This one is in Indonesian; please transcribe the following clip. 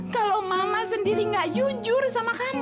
kalau mama sendiri gak jujur sama kami